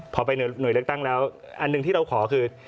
พอไปหน่วยเลือกตั้งแล้วอันหนึ่งที่เราขอคือ